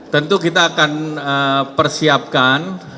tentu kita akan persiapkan